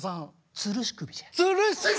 つるし首！